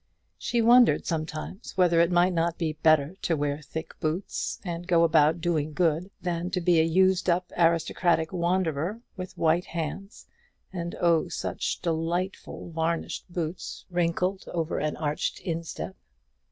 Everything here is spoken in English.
She wondered sometimes whether it might not be better to wear thick boots, and go about doing good, than to be a used up aristocratic wanderer, with white hands, and, oh, such delightful varnished boots wrinkled over an arched instep.